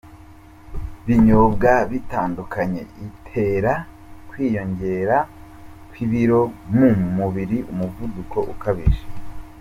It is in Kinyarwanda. binyobwa bitandukanye itera; Kwiyongera kw’ibiro mu mubiri, umuvuduko ukabije